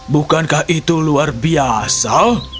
bukankah itu luar biasa